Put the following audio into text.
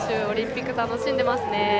オリンピック、楽しんでますね。